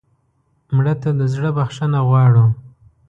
مړه ته د زړه بښنه غواړو